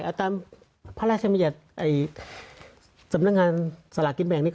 เอาตามพระราชม่ายัดสำนักงานศลากิจแบ่งเนี่ย